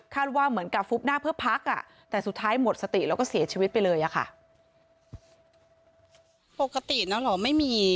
ว่าเหมือนกับฟุบหน้าเพื่อพักอ่ะแต่สุดท้ายหมดสติแล้วก็เสียชีวิตไปเลยอะค่ะ